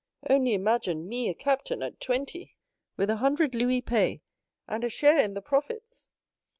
Only imagine me a captain at twenty, with a hundred louis pay, and a share in the profits!